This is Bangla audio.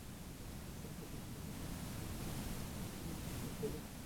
পিছন হইতে দেখিতে পাইলাম, এইবার পকেট হইতে রুমাল বাহির হইল।